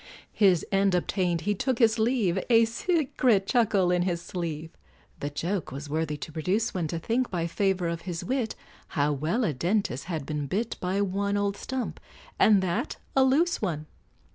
His end obtained, he took his leave, A secret chuckle in his sleeve; The joke was worthy to produce one, To think, by favor of his wit How well a dentist had been bit By one old stump, and that a loose one!